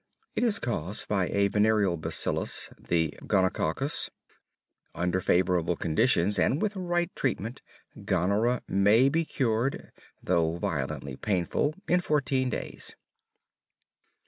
It is caused by a venereal bacillus, the gonococcus. Under favorable conditions and with right treatment, gonorrhea may be cured, though violently painful, in fourteen days.